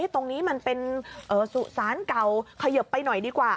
ตรงนี้มันเป็นสุสานเก่าเขยิบไปหน่อยดีกว่า